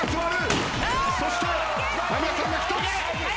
そして間宮さんが１つ。